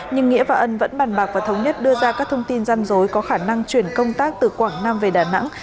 nhưng nghĩa và ân vẫn bàn bạc và thống nhất đưa ra các thông tin gian dối có khả năng chuyển công tác từ quảng nam về đà nẵng